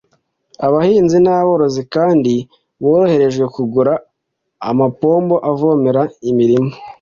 Abahinzi n’aborozi kandi boroherejwe kugura amapombo avomerera imirima